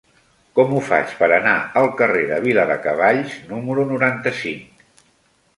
Com ho faig per anar al carrer de Viladecavalls número noranta-cinc?